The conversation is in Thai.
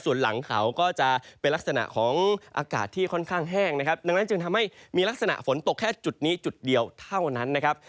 ส่วนหลังเขาก็จะเป็นลักษณะของอากาศที่ค่อนข้างแห้งนะครับดังนั้นจึงทำให้มีลักษณะฝนตกแค่จุดนี้จุดเดียวเท่านั้นนะครับ